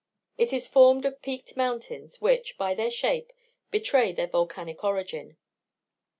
It is formed of peaked mountains, which, by their shape, betray their volcanic origin.